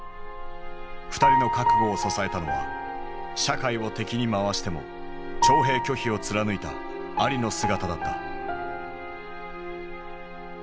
２人の覚悟を支えたのは社会を敵に回しても徴兵拒否を貫いたアリの姿だった。